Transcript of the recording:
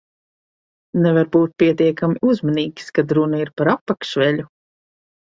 Nevar būt pietiekami uzmanīgs, kad runa par apakšveļu.